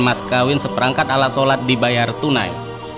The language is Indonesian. mas kawin seperangkat alat sholat dibayar tunai